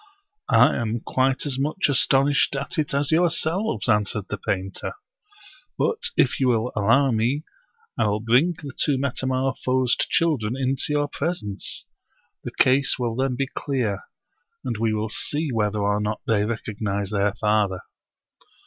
I am quite as much astonished at it as yourselves," answered the painter ;" but if you will al low me, I will bring the two metamorphosed children into your presence. The case will then be clear, and we will see whether or not they recognize their father."